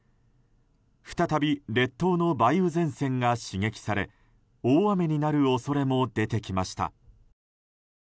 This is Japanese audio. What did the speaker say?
再び、列島の梅雨前線が刺激され大雨になる恐れも出てきました。